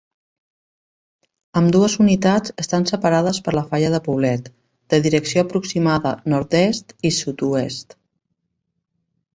Ambdues unitats estan separades per la falla de Poblet de direcció aproximada nord-est i sud-oest.